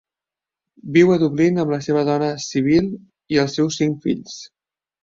Viu a Dublín amb la seva dona Sibylle i els seus cinc fills.